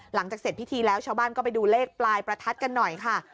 หลังจากเสร็จพิธีแล้วชาวบ้านก็ไปดูเลขปลายประทัดกันหน่อยค่ะ